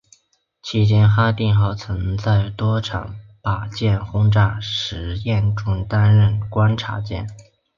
期间哈定号曾在多场靶舰轰炸实验中担任观察舰。